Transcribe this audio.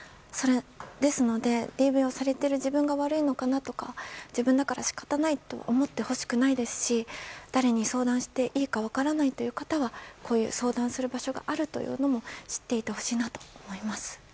ですので、ＤＶをされている自分が悪いのかなとか自分の中で仕方ないと思ってほしくないですし誰に相談していいか分からないという方はこういう相談する場所があるというのも知っていてほしいなと思います。